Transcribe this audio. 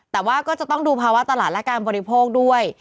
แต่ว่าก็จะต้องดูภาวะตลาดและการบริโภคด้วย